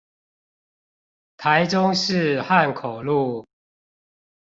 台中市漢口路